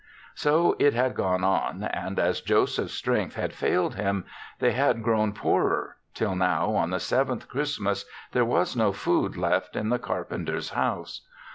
So it had gone on, and as Joseph's strength had failed him they had grown poorer till now, on the Sev enth Christmas, there was no food left in the carpenter's house.